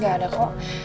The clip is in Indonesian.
gak ada kok